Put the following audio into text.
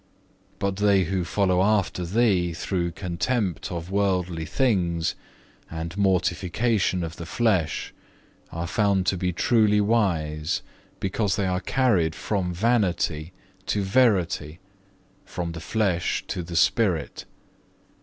But they who follow after Thee through contempt of worldly things, and mortification of the flesh, are found to be truly wise because they are carried from vanity to verity, from the flesh to the spirit.